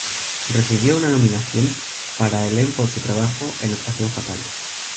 Recibió una nominación para el en por su trabajo en "Atracción fatal".